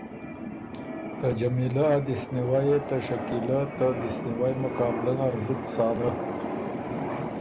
ته جمیلۀ ا دِست نیوئ يې ته شکیلۀ ته دِست نیوئ مقابلۀ نر زُت سادۀ